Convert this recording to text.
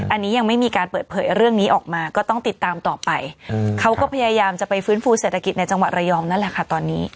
อันนี้ยังไม่มีการเปิดเผยเรื่องนี้ออกมาก็ต้องติดตามต่อไปเขาก็พยายามจะไปฟื้นฟูเศรษฐกิจในจังหวัดระยองนั่นแหละค่ะตอนนี้